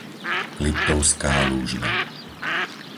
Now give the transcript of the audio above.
Liptovská Lúžna